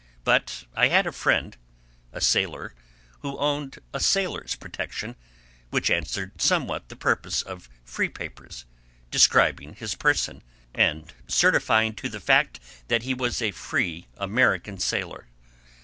But I had a friend—a sailor—who owned a sailor's protection, which answered somewhat the purpose of free papers—describing his person, and certifying to the fact that he was a free American sailor.